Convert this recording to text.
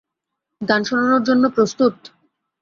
গান শোনার জন্য প্রস্তুত?